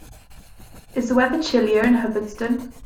Is the weather chillier in Hubbardston